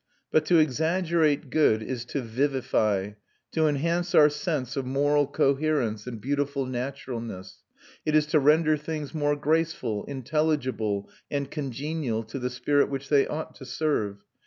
But to exaggerate good is to vivify, to enhance our sense of moral coherence and beautiful naturalness; it is to render things more graceful, intelligible, and congenial to the spirit which they ought to serve.